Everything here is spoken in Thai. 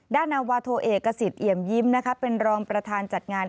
นาวาโทเอกสิทธิเอี่ยมยิ้มเป็นรองประธานจัดงาน